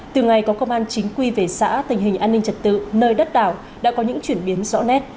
từ ngày có công an chính quy về xã tình hình an ninh trật tự nơi đất đảo đã có những chuyển biến rõ nét